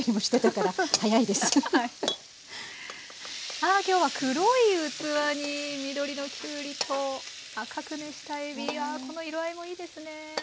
あ今日は黒い器に緑のきゅうりと赤く熱したえびがこの色合いもいいですね。